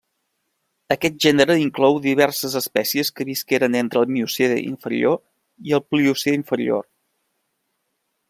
Aquest gènere inclou diverses espècies que visqueren entre el Miocè inferior i el Pliocè inferior.